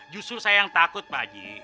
justru saya yang takut pak haji